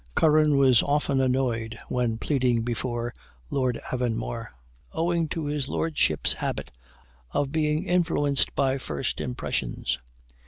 Curran was often annoyed when pleading before Lord Avonmore, owing to his lordship's habit of being influenced by first impressions.